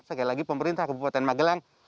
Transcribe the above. sekali lagi pemerintah kabupaten magelang